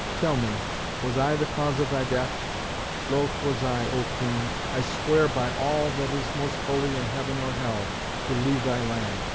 Tell me, Was I the cause of thy death? Loath was I, O Queen I swear it by all that is most holy in heaven or hell to leave thy land.